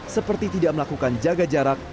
seperti tidak melakukan jaga jarak